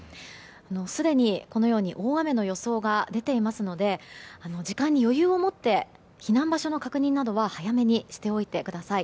すでに大雨の予想が出ていますので時間に余裕を持って避難場所の確認などは早めにしておいてください。